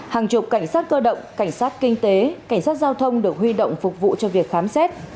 hàng chục cảnh sát cơ động cảnh sát kinh tế cảnh sát giao thông được huy động phục vụ cho việc khám xét